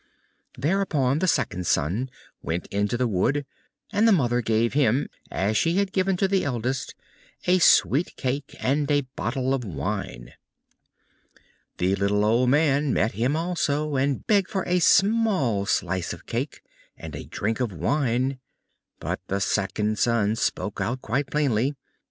Thereupon the second son went into the wood, and the Mother gave him, as she had given to the eldest, a sweet cake and a bottle of wine. The little old man met him also, and begged for a small slice of cake and a drink of wine. But the second son spoke out quite plainly.